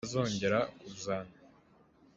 A chizawh kha a deng lengmang.